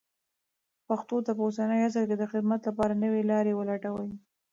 پښتو ته په اوسني عصر کې د خدمت لپاره نوې لارې ولټوئ.